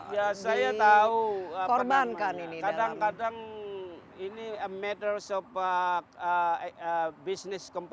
biasa ya tahu korbankan ini kadang kadang ini emeter sopak bisnis